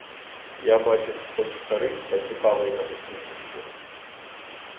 Я, бачиш, хоч старий, та цікавий на такі вісті.